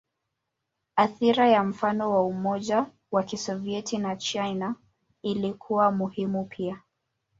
Athira ya mfano wa Umoja wa Kisovyeti na China ilikuwa muhimu pia.